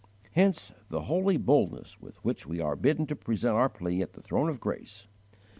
Hence the 'holy boldness with which we are bidden to present our plea at the throne of grace.